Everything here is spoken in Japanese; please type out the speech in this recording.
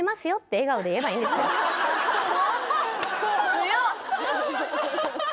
強っ！